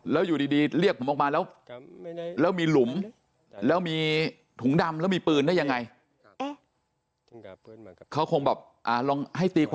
แล้วอยู่ดีเรียกผมออกมาแล้วมีหลุมแล้วมีถุงดำแล้วมีปืนได้ยังไง